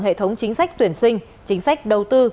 hệ thống chính sách tuyển sinh chính sách đầu tư